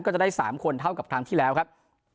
ก็จะได้๓คนเท่ากับครั้งที่แล้วครับ